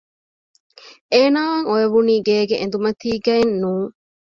އޭނާއަށް އޮވެވުނީ ގޭގެ އެނދުމަތީގައެއް ނޫން